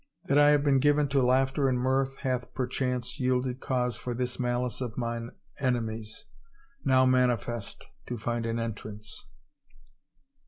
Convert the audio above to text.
That I have been given to laughter and mirth hath perchance yielded cause for this malice of mine enemies, now manifest, to find an entrance.